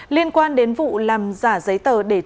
liên quan đến vụ làm giả giấy tờ để truyền thông